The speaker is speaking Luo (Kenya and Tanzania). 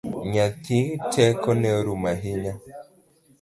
Nyathi tekone orumo ahinya